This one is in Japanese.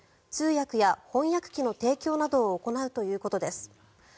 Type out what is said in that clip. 通訳や翻訳機の提供などを行うということです。